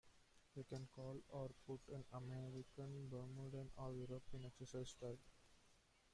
You can call or put in American, Bermudan, or European exercise style.